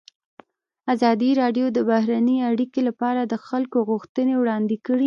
ازادي راډیو د بهرنۍ اړیکې لپاره د خلکو غوښتنې وړاندې کړي.